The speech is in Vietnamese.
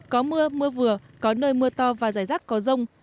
có mưa mưa vừa có nơi mưa to và rải rác có rông